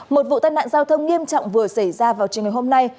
một vụ tân nạn giao thông nghiêm trọng vừa xảy ra vào trường hợp hôm nay